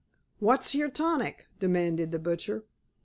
"Wot's yer tonic?" demanded the butcher.